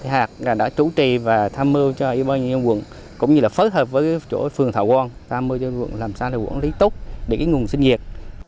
hạt đã chủ trì và tham mưu cho yên quận cũng như là phối hợp với chỗ phường thảo quang tham mưu cho yên quận làm sao để quản lý tốt để cái nguồn sinh nhiệt